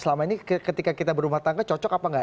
selama ini ketika kita berumah tangga cocok apa enggak